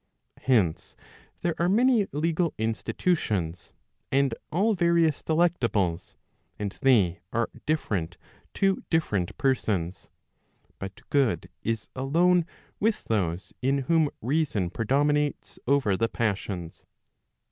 Hence there are many legal institu¬ tions, and all various delectables, and they are different to different persons; but good is alone with those in whom reason predominates over the passions.